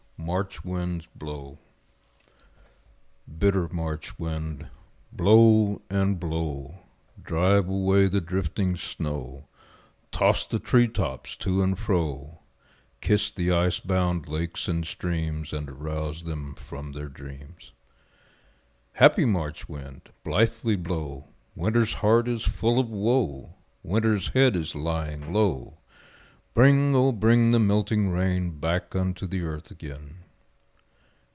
March Wind Blow Bitter March wind, blow and blow; Drive away the drifting snow; Toss the tree tops to and fro; Kiss the ice bound lakes and streams And arouse them from their dreams. Happy March wind, blithely blow, Winter's heart is full of woe, Winter's head is lying low; Bring, O bring the melting rain Back unto the earth again.